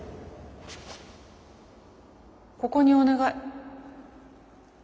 ここにお願い。